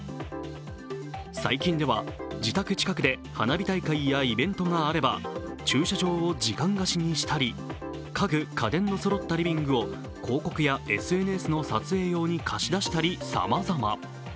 最近では、自宅近くで花火大会やイベントがあれば駐車場を時間貸しにしたり、家具・家電のそろったリビングを広告やＳＮＳの撮影用に貸し出したり、さまざま。